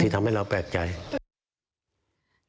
แต่ก็ยังแปลกใจแปลกใจมากเลยแหละ